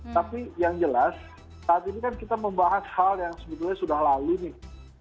tapi yang jelas saat ini kan kita membahas hal yang sebetulnya sudah lalu nih